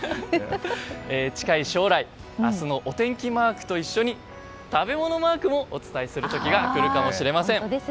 近い将来明日のお天気マークと一緒に食べ物マークもお伝えする時がくるかもしれません。